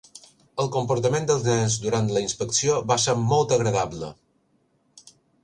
El comportament dels nens durant la inspecció va ser molt agradable.